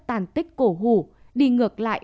tàn tích cổ hủ đi ngược lại